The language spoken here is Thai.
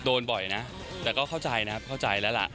โดนบ่อยนะแต่ก็เข้าใจนะครับเข้าใจแล้วล่ะ